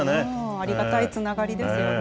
ありがたいつながりですよね。